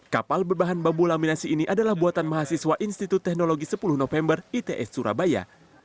kapal berbahan bambu laminasi ini adalah buatan mahasiswa institut teknologi sepuluh november its surabaya